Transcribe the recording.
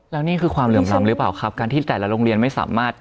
แล้วนี่คือความเหลื่อมล้ำหรือเปล่าครับการที่แต่ละโรงเรียนไม่สามารถ